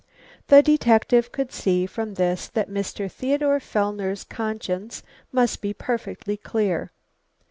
The detective could see from this that Mr. Theodore Fellner's conscience must be perfectly clear.